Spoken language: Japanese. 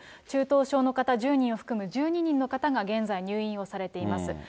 中等症の方１０人を含む１２人の方が現在、入院をされています。